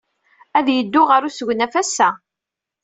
Ad yeddu ɣer usegnaf ass-a.